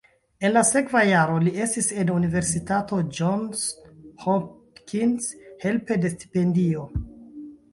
En la sekva jaro li estis en Universitato Johns Hopkins helpe de stipendio.